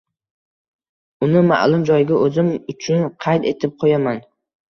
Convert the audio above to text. Uni ma’lum joyga o‘zim uchun qayd etib qo‘yaman.